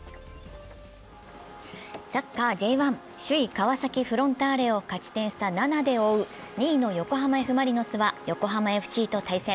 サッカーＪ１、首位・川崎フロンターレを勝ち点差７で追う２位の横浜Ｆ・マリノスは横浜ＦＣと対戦。